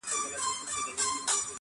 • لهشاوردروميګناهونهيېدلېپاتهسي,